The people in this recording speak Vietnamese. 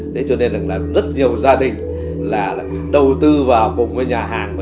thế cho nên là rất nhiều gia đình là đầu tư vào cùng với nhà hàng